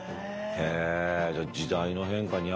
へえ。